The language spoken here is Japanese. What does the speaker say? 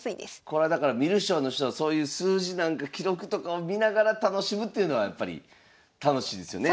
これはだから観る将の人はそういう数字なんか記録とかを見ながら楽しむというのはやっぱり楽しいですよね。